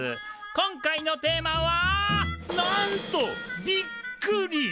今回のテーマは「なんと『ビック』リ！！